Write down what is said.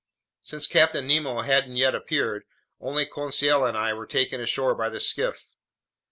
Since Captain Nemo hadn't yet appeared, only Conseil and I were taken ashore by the skiff.